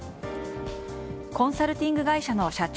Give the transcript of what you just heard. コンサルティング会社の社長